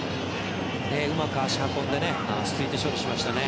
うまく足を運んで落ち着いて処理しましたね。